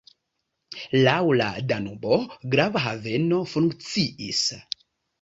Laŭ la Danubo grava haveno funkciis.